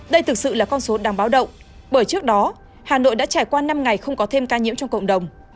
đây thực sự là con số đáng báo động bởi trước đó hà nội đã trải qua năm ngày không có thêm ca nhiễm trong cộng đồng